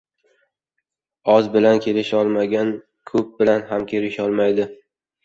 • Oz bilan kelisholmagan ko‘p bilan ham kelisholmaydi.